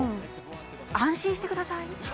安心してください！